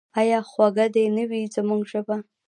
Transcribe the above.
آیا خوږه دې نه وي زموږ ژبه؟